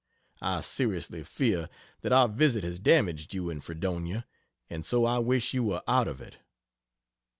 I seriously fear that our visit has damaged you in Fredonia, and so I wish you were out of it.